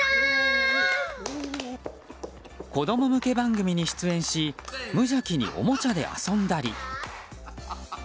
子供向け番組に出演し無邪気におもちゃで遊んだり。